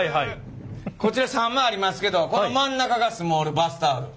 こちら３枚ありますけどこの真ん中がスモールバスタオル。